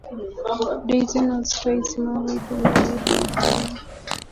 Droysen was twice married, and died in Berlin.